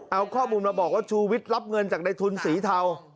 เอาข้อมูลมาบอกว่าชูวิทย์รับเงินจากในทุนสีเทา